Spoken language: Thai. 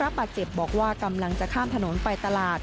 บาดเจ็บบอกว่ากำลังจะข้ามถนนไปตลาด